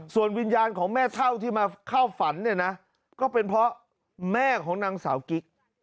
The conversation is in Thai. ส่วนวิญญาณของแม่เท่าที่มาเข้าฝันเนี่ยนะก็เป็นเพราะแม่ของนางสาวกิ๊ก